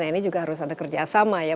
nah ini juga harus ada kerjasama ya